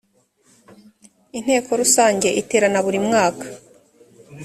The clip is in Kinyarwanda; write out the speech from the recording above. inteko rusange iteranaburimwaka.